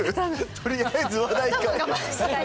とりあえず話題変える。